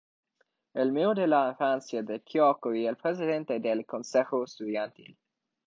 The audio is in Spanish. El amigo de la infancia de Kyōko y el presidente del Consejo Estudiantil.